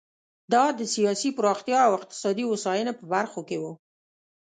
دا د سیاسي پراختیا او اقتصادي هوساینې په برخو کې و.